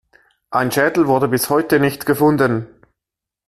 Ein Schädel wurde bis heute nicht gefunden.